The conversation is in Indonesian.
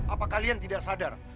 apa kalian tidak sadar